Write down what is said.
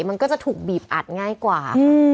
มันก็จะถูกบีบอัดง่ายกว่าค่ะ